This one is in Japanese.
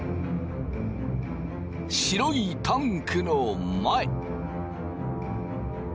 白いタンクの前。